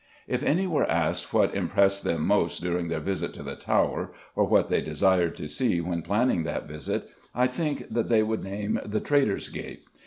_ If any were asked what impressed them most during their visit to the Tower, or what they desired to see when planning that visit, I think that they would name the Traitor's Gate.